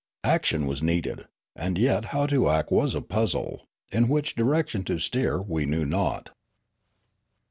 Action was needed ; and yet how to act was a puzzle ; in which direction to steer we knew not.